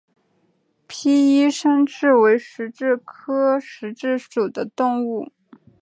被衣山蛭为石蛭科石蛭属的动物。